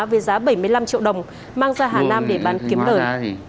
với giá bảy mươi năm triệu đồng mang ra hà nam để bán kiếm lời